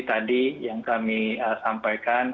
tadi yang kami sampaikan